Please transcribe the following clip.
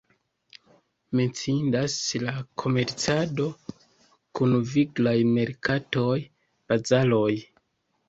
Menciindas la komercado kun viglaj merkatoj, bazaroj.